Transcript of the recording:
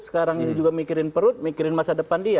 sekarang ini juga mikirin perut mikirin masa depan dia